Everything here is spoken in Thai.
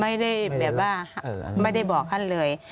ไม่ได้แบบว่าไม่ได้บอกท่านเลย